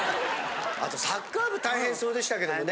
あとサッカー部大変そうでしたけどもね。